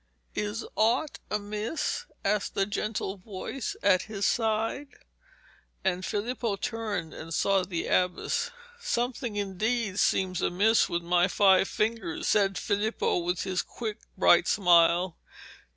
'Is aught amiss?' asked the gentle voice at his side, and Filippo turned and saw the abbess. 'Something indeed seems amiss with my five fingers,' said Filippo, with his quick bright smile.